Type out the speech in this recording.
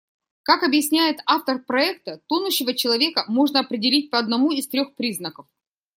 Как объясняет автор проекта, тонущего человека можно определить по одному из трёх признаков.